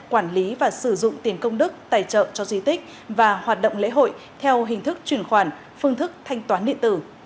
quản lý và sử dụng tiền công đức tài trợ cho di tích và hoạt động lễ hội theo hình thức chuyển khoản phương thức thanh toán điện tử